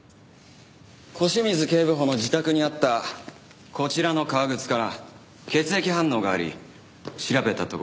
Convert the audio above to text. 小清水警部補の自宅にあったこちらの革靴から血液反応があり調べたところ